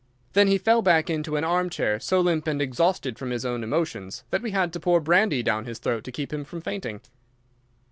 Then he fell back into an armchair so limp and exhausted with his own emotions that we had to pour brandy down his throat to keep him from fainting.